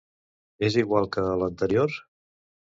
És igual que a l'anterior?